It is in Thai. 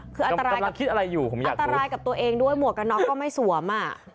กำลังคิดอะไรอยู่อัตรายกับตัวเองด้วยหมวกกับน็อกก็ไม่สวม